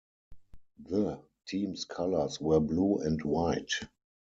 The team's colors were blue and white.